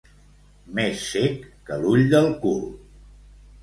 Més cec que l'ull del cul.